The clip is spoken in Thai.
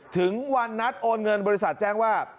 ถึงวันนัดโอนเงินบริษัทแจ้งว่า